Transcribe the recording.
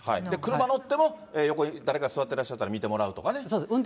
車乗っても、横に誰か座ってらっしゃったら見てもらうとかね。